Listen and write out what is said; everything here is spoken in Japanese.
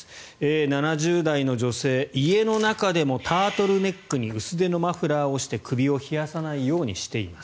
７０代の女性家の中でもタートルネックに薄手のマフラーをして首を冷やさないようにしています。